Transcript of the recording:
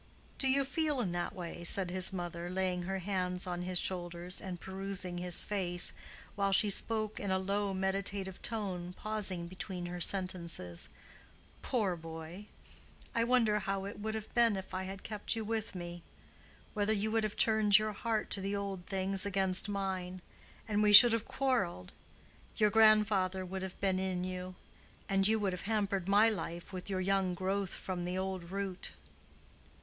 "Do you feel in that way?" said his mother, laying her hands on his shoulders, and perusing his face, while she spoke in a low meditative tone, pausing between her sentences. "Poor boy!——I wonder how it would have been if I had kept you with me——whether you would have turned your heart to the old things against mine——and we should have quarreled——your grandfather would have been in you——and you would have hampered my life with your young growth from the old root."